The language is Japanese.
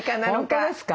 本当ですか？